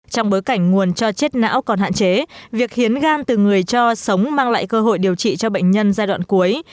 trong bối cảnh nguồn cho chết não còn hạn chế việc khiến gan từ người cho sống mang lại cơ hội điều trị cho bệnh nhân giai đoạn cuối